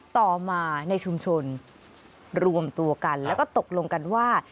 ต่อมาในชุมชนรวมตัวกันแล้วก็ตกลงกันว่า